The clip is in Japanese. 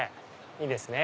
いいですね。